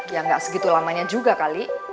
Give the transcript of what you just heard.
ya nggak segitu lamanya juga kali